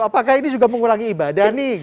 apakah ini juga mengulangi ibadah nih